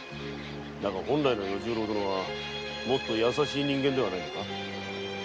だが本来の与十郎殿はもっと優しい人間ではないのか？